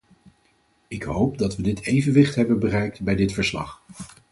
Ik hoop dat we dit evenwicht hebben bereikt bij dit verslag.